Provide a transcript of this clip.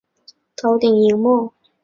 头顶的萤幕